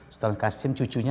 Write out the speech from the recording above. sultan qasim cucunya